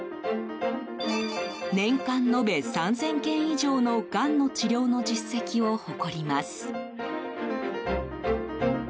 年間延べ３０００件以上のがんの治療の実績を誇ります。